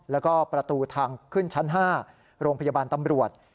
แล้วก็ประตูทางขึ้นชั้น๕โรงพยาบาลตำรวจ